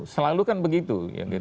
selalu kan begitu